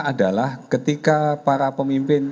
adalah ketika para pemimpin